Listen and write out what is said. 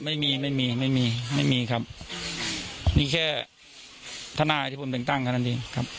ไม่มีไม่มีครับนี่แค่ทนาที่ผมเป็นตั้งขนาดนี้ครับ